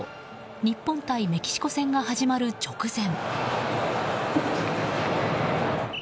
日本対メキシコ戦が始まる直前。